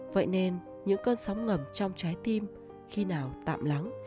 vậy nên những cơn sóng ngầm trong trái tim khi nào tạm lắng